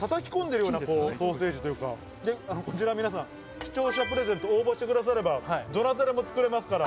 視聴者プレゼント、応募してくだされば、どなたでも作れますから。